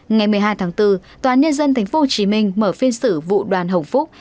ngày một mươi hai tháng bốn tòa án nhân dân tp hcm mở phiên xử vụ đoàn hồng phúc